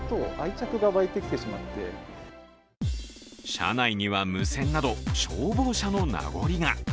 車内には無線など消防車の名残が。